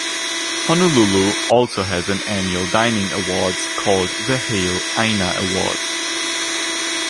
"Honolulu" also has an annual dining awards called the Hale Aina Awards.